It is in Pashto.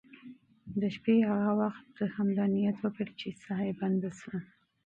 د شپې یې هغه وخت همدا نیت وکړ چې ساه یې بنده شوه.